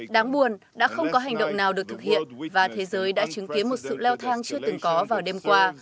đáng buồn đã không có hành động nào được thực hiện và thế giới đã chứng kiến một sự leo thang chưa từng có vào đêm qua